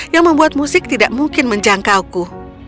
yang membuat musik tidak mungkin menjangkauku